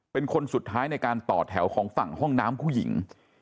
เป็นคนสุดท้ายในการต่อแถวของฝั่งห้องน้ำผู้หญิง